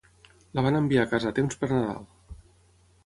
La van enviar a casa a temps per Nadal.